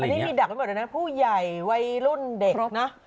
อันนี้มีดักไว้หมดเลยนะผู้ใหญ่วัยรุ่นเด็กนะ